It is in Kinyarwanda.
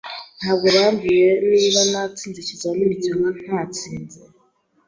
Ntabwo bambwiye niba natsinze ikizamini cyangwa ntatsinze.